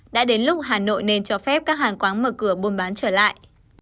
đã đến lúc hà nội nên cho phép các hàng quán mở cửa buôn bán trở lại